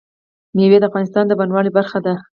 مېوې د افغانستان د بڼوالۍ برخه ده.